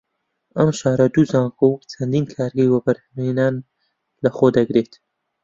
ئەم شارە دوو زانکۆ و چەندین کارگەی وەبەرهەم هێنان لە خۆ دەگرێت